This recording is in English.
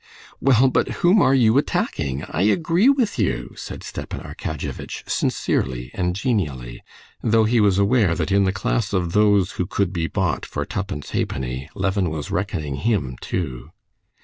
"Well, but whom are you attacking? I agree with you," said Stepan Arkadyevitch, sincerely and genially; though he was aware that in the class of those who could be bought for twopence halfpenny Levin was reckoning him too.